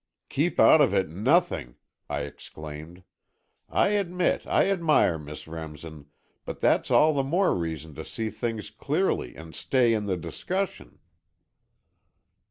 "Keep out of it nothing!" I exclaimed. "I admit I admire Miss Remsen, but that's all the more reason to see things clearly and stay in the discussion."